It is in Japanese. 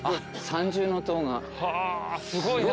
三重塔すごいね。